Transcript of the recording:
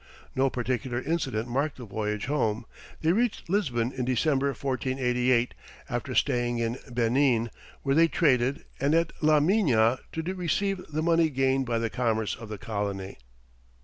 No particular incident marked the voyage home; they reached Lisbon in December, 1488, after staying at Benin, where they traded, and at La Mina to receive the money gained by the commerce of the colony.